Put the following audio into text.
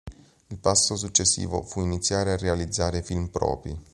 Il passo successivo fu iniziare a realizzare film propri.